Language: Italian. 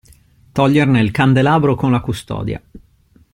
Toglierne il candelabro con la custodia.